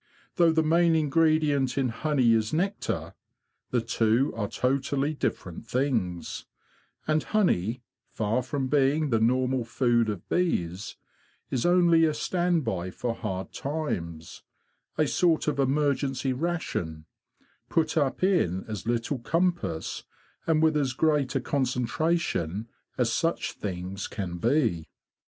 Though the main ingredient in honey is nectar, the two are totally different things; and honey, far from being the normal food of bees, is only a standby for hard times, a sort of emergency ration, put up in as little compass and with as great a concen tration as such things can be.